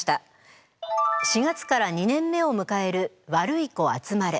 ４月から２年目をむかえる「ワルイコあつまれ」。